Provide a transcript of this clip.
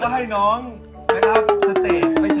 ต้องกังวลอะไรนะแต่เราก็ให้น้อง